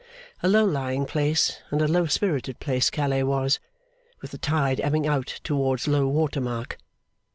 A low lying place and a low spirited place Calais was, with the tide ebbing out towards low water mark.